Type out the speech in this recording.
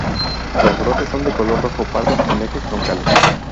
Los brotes son de color rojo pardo en ejes troncales.